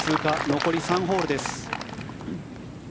残り３ホールです。